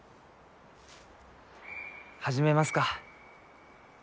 始めますか。